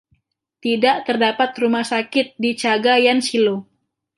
Tidak terdapat rumah sakit di Cagayancillo.